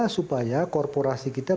supaya korporasi kita